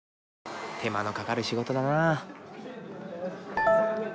手間のかかる仕事だな。